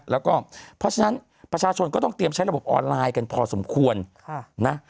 แล้วก็เพราะฉะนั้นประชาชนก็ต้องเตรียมใช้ระบบออนไลน์กันพอสมควรนะ